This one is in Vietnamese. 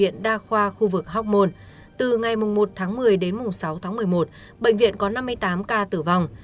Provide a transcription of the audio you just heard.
nga khoa khu vực hoc mon từ ngày một một mươi đến sáu một mươi một bệnh viện có năm mươi tám ca tử vong